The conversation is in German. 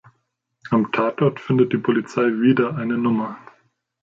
Am Tatort findet die Polizei wieder eine Nummer.